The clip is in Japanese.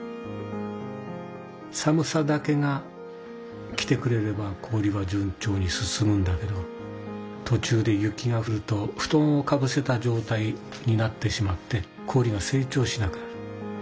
寒さだけが来てくれれば氷はじゅん調に進むんだけどとちゅうで雪がふるとふとんをかぶせたじょうたいになってしまって氷がせい長しなくなる。